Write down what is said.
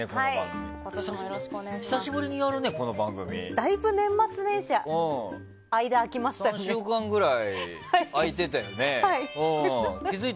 だいぶ年末年始間空きました。